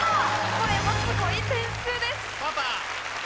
これもすごい点数です！